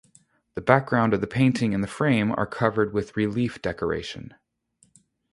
The background of the painting and the frame are covered with relief decoration.